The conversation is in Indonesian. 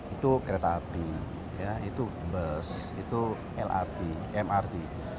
itu kereta api itu bus itu lrt mrt